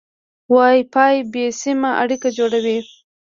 وای فای بې سیمه اړیکه جوړوي.